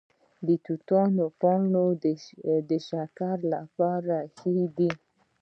د توتانو پاڼې د شکر لپاره ښې دي؟